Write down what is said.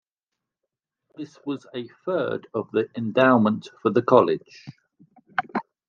This was a third of the endowment for the college.